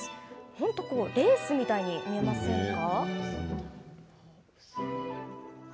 本当、レースみたいに見えませんか？